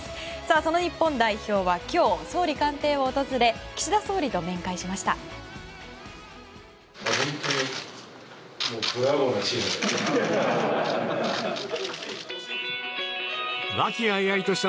その日本代表は今日総理官邸を訪れ岸田総理と面会しました。